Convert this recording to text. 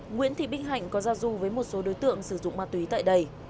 nguyễn thị bích hạnh có gia du với một số đối tượng sử dụng ma túy tại đây